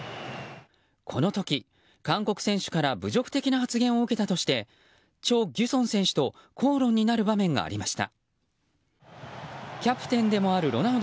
この時、韓国選手から侮辱的な発言を受けたとしてチョ・ギュソン選手と口論になる場面がありました。